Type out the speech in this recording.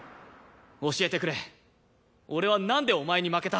教えてくれ俺はなんでお前に負けた？